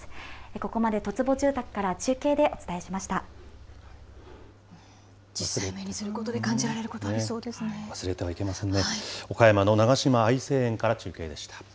ここまで十坪住宅から中継でお伝実際にそういうことで感じら忘れてはいけませんね。